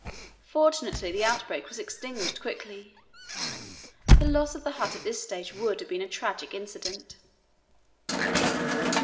Fortunately the outbreak was extinguished quickly. The loss of the hut at this stage would have been a tragic incident.